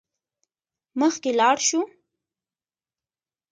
مخکې لاړ شو.